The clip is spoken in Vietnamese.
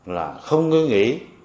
là không ngươi nghĩ